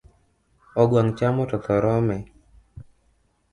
Ogwang chamo to tho rome